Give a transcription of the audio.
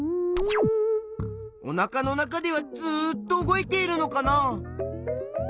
おなかの中ではずっと動いているのかな？